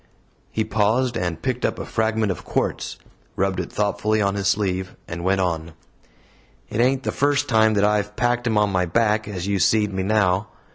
He paused, and picked up a fragment of quartz, rubbed it thoughtfully on his sleeve, and went on: "It ain't the first time that I've packed him on my back, as you see'd me now.